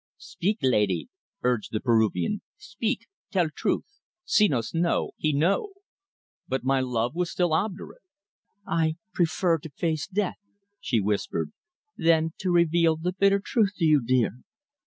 "Speak, laidee," urged the Peruvian. "Speak tell truth. Senos know he know!" But my love was still obdurate. "I prefer to face death," she whispered, "than to reveal the bitter truth to you, dear."